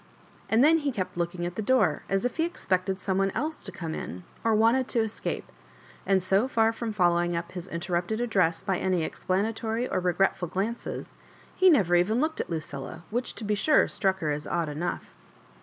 And then he kept looking at the door, as if he expected some one else to come in, or wanted to escape J and so fer from following up his inter rupted address by any explanatory or regretful glances, he never even looked at Lucilla, which, to be sure, struck her as odd enough.